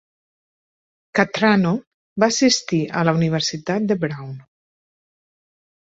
Cattrano va assistir a la Universitat de Brown.